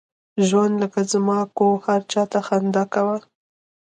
ژوند لکه زما کوه ، هر چاته خنده کوه!